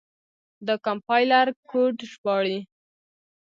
دا کمپایلر کوډ ژباړي.